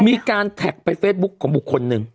มีการแท็กไปเฟซบุ๊คของบุคคลหนึ่ง